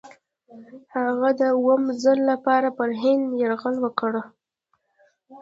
هغه د اووم ځل لپاره پر هند یرغل وکړ.